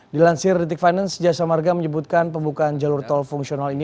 dilansir detik finance jasa marga menyebutkan pembukaan jalur tol fungsional ini